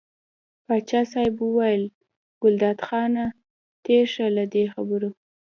پاچا صاحب وویل ګلداد خانه تېر شه له دې خبرو.